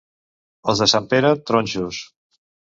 Els de Sant Pere, tronxos.